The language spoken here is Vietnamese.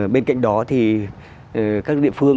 bên cạnh đó thì các địa phương